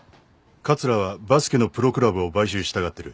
桂はバスケのプロクラブを買収したがってる。